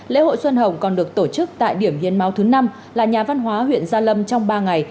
lễ hội xuân hồng còn được tổ chức tại điểm hiến máu thứ năm là nhà văn hóa huyện gia lâm trong ba ngày